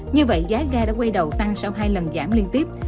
như vậy giá ga đã quay đầu tăng sau hai lần giảm liên tiếp